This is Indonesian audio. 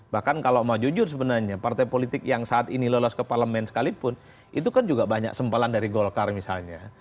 bahkan kalau mau jujur sebenarnya partai politik yang saat ini lolos ke parlemen sekalipun itu kan juga banyak sempalan dari golkar misalnya